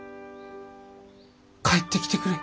帰ってきてくれ。